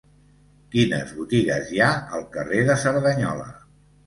Quines botigues hi ha al carrer de Cerdanyola?